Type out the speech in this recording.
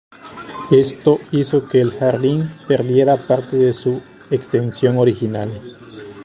Esto hizo que el jardín perdiera parte de su extensión original.